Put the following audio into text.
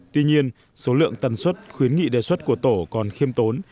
tuy nhiên số lượng tần suất khuyến nghị đề xuất của tổ còn khiêm tốn